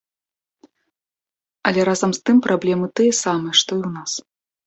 Але разам з тым праблемы тыя самыя, што і ў нас.